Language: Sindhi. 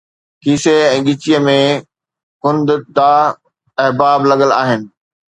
کيسي ۽ ڳچيءَ ۾ ’خنددا احباب‘ لڳل آهن